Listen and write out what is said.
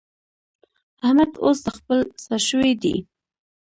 احمد اوس د خپل سر شوی دی.